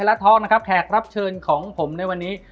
มันทำให้ชีวิตผู้มันไปไม่รอด